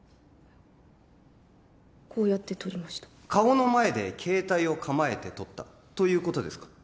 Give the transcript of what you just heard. こうやって撮りました顔の前で携帯を構えて撮ったということですか？